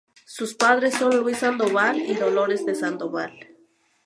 Sus padres son Luis Sandoval y Dolores de Sandoval.